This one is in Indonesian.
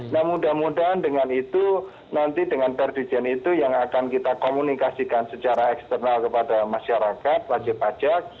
nah mudah mudahan dengan itu nanti dengan perdijen itu yang akan kita komunikasikan secara eksternal kepada masyarakat wajib pajak